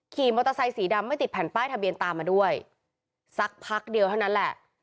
ขี่มอเตอร์ไซสีดำไม่ติดแผ่นป้ายทะเบียนตามมาด้วยสักพักเดียวเท่านั้นแหละ